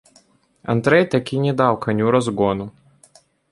Андрэй такі не даў каню разгону.